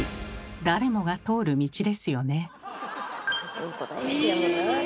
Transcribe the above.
誰もが通る道ですよね。